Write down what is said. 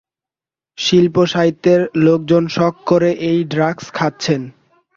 শিল্পসাহিত্যের লোকজন শখ করে এই ড্রাগ খাচ্ছেন।